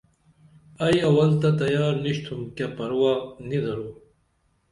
ائی اول تہ تیار نِشِتُھم کیہ پروا نی درو